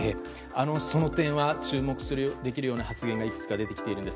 その点は注目できるような発言がいくつか出てきているんです。